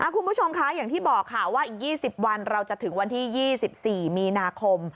คุณผู้ชมคะอย่างที่บอกค่ะว่าอีก๒๐วันเราจะถึงวันที่๒๔มีนาคม